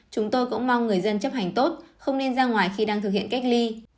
chúng tôi cũng mong người dân chấp hành tốt không nên ra ngoài khi đang thực hiện cách ly